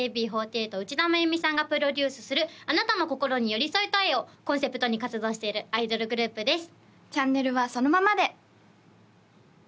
内田眞由美さんがプロデュースする「あなたの心に寄り添いたい」をコンセプトに活動しているアイドルグループです